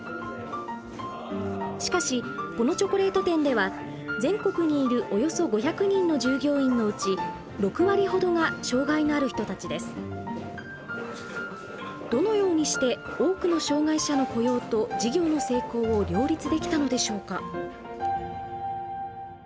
しかしこのチョコレート店では全国にいるおよそ５００人の従業員のうちどのようにして多くの障害者の雇用と事業の成功を両立できたのでしょうか。